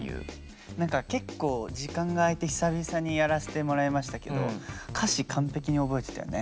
何か結構時間が空いて久々にやらせてもらいましたけど歌詞完璧に覚えてたよね。